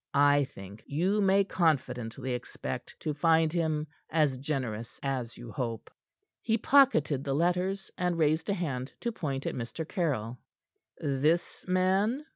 I think you may confidently expect to find him as generous as you hope." He pocketed the letters, and raised a hand to point at Mr. Caryll. "This man?"